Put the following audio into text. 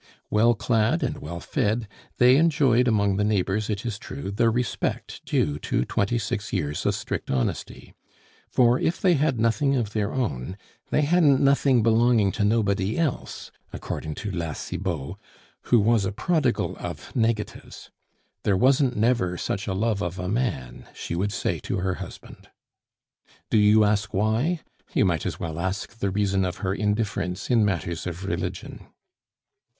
Well clad and well fed, they enjoyed among the neighbors, it is true, the respect due to twenty six years of strict honesty; for if they had nothing of their own, they "hadn't nothing belonging to nobody else," according to La Cibot, who was a prodigal of negatives. "There wasn't never such a love of a man," she would say to her husband. Do you ask why? You might as well ask the reason of her indifference in matters of religion.